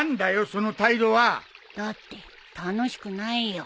その態度は！だって楽しくないよ。